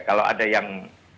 kalau ada yang